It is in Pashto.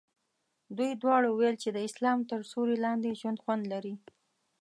دوی دواړو ویل چې د اسلام تر سیوري لاندې ژوند خوند لري.